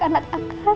bukan soal siapa bapak